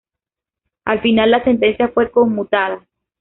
Al final, la sentencia fue conmutada.